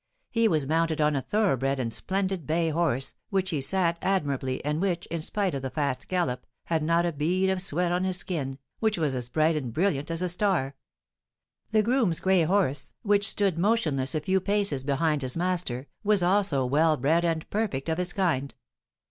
He was mounted on a thoroughbred and splendid bay horse, which he sat admirably, and which, in spite of the fast gallop, had not a bead of sweat on his skin, which was as bright and brilliant as a star. The groom's gray horse, which stood motionless a few paces behind his master, was also well bred and perfect of his kind.